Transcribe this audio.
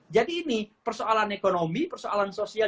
jadi ini persoalan ekonomi persoalan sosial